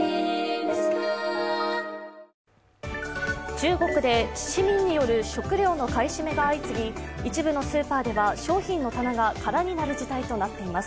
中国で市民による食料の買い占めが相次ぎ、一部のスーパーでは商品の棚が空になる事態となっています。